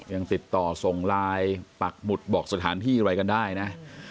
ยังติดต่อส่งไลน์ปักหมุดบอกสถานที่อะไรกันได้นะ